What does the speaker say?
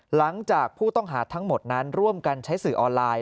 หลังจากผู้ต้องหาทั้งหมดนั้นร่วมกันใช้สื่อออนไลน์